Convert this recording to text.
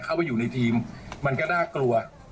เข้าไปอยู่ในทีมมันก็น่ากลัว